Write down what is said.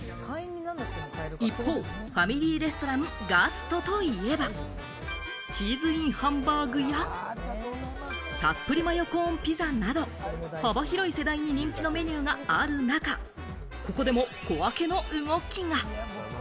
一方、ファミリーレストラン・ガストといえば、チーズＩＮハンバーグやたっぷりマヨコーンピザなど幅広い世代に人気のメニューがある中、ここでも小分けの動きが。